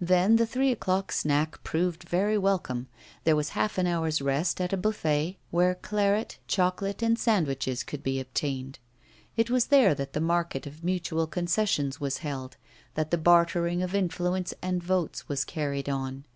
Then the three o'clock snack proved very welcome: there was half an hour's rest at a buffet, where claret, chocolate, and sandwiches could be obtained. It was there that the market of mutual concessions was held, that the bartering of influence and votes was carried on.